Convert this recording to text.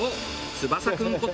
翼君こと